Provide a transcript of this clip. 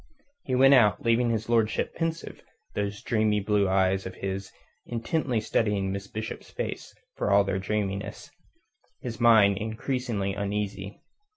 He went out, leaving his lordship pensive, those dreamy blue eyes of his intently studying Miss Bishop's face for all their dreaminess; his mind increasingly uneasy.